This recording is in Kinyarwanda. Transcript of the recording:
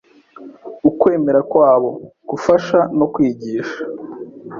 Ukwemera kwabo, gufasha no kwigisha